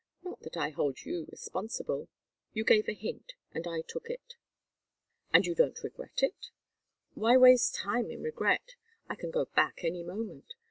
Not that I hold you responsible. You gave a hint, and I took it." "And you don't regret it?" "Why waste time in regret? I can go back any moment.